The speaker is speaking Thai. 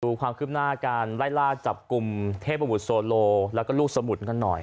ความคืบหน้าการไล่ล่าจับกลุ่มเทพบุตรโซโลแล้วก็ลูกสมุทรกันหน่อย